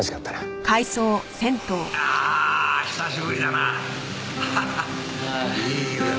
ああ久しぶりだな。